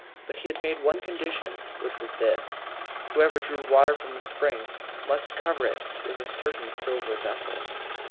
But he had made one condition, which was this: whoever drew water from the spring must cover it with a certain silver vessel.